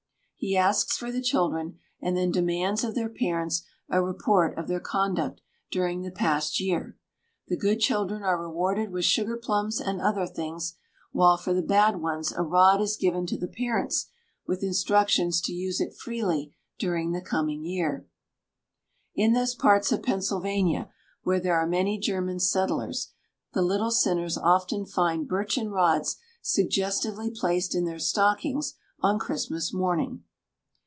He asks for the children, and then demands of their parents a report of their conduct during the past year. The good children are rewarded with sugar plums and other things, while for the bad ones a rod is given to the parents with instructions to use it freely during the coming year. In those parts of Pennsylvania where there are many German settlers, the little sinners often find birchen rods suggestively placed in their stockings on Christmas morning.